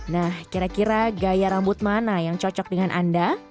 nah kira kira gaya rambut mana yang cocok dengan anda